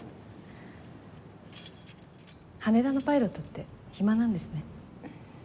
羽田のパイロットって暇なんですね。